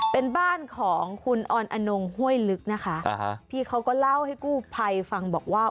เป็นบ้านของคุณออนอนงห้วยลึกนะคะอ่าฮะพี่เขาก็เล่าให้กู้ภัยฟังบอกว่า